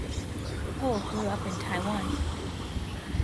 Ho grew up in Taiwan.